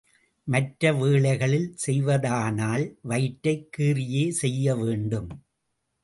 மற்ற வேளைகளில் செய்வதானால் வயிற்றைக் கீறியே செய்யவேண்டும்.